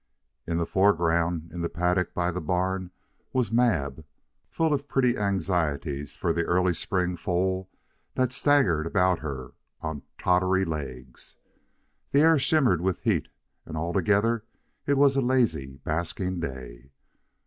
In the foreground, in the paddock by the barn, was Mab, full of pretty anxieties for the early spring foal that staggered about her on tottery legs. The air shimmered with heat, and altogether it was a lazy, basking day.